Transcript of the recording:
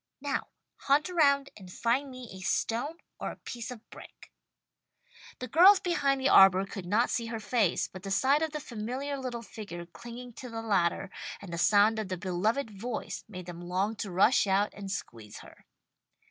Now! Hunt around and find me a stone or a piece of brick." The girls behind the arbour could not see her face, but the sight of the familiar little figure clinging to the ladder, and the sound of the beloved voice made them long to rush out and squeeze her.